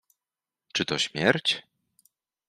Czy to śmierć?